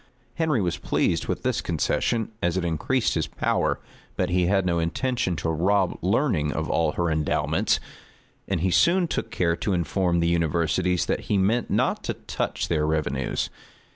Henry was pleased with this concession, as it increased his power; but he had no intention to rob learning of all her endowments; and he soon took care to inform the universities that he meant not to touch their revenues.